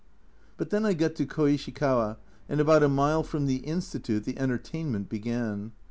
But then I got to Koishikawa, and about a mile from the Institute the entertainment began.